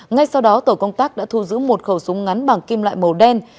ngay sau đó tổ công tác đã thu giữ một khẩu súng ngắn bằng kim loại màu đen